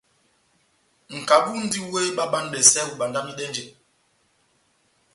Nʼkabu múndi wéh ebabanidɛsɛ ohibandamidɛnjɛ.